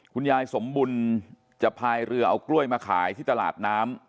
คุณยายสมบุญจะพายเรือเอากล้วยมาขายที่ตลาดน้ำ